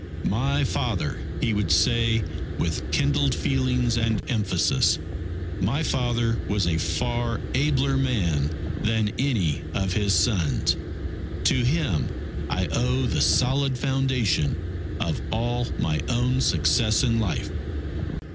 "My father," he would say with kindled feelings and emphasis, "my father was a far abler man than any of his sons. To him I owe the solid foundation of all my own success in life."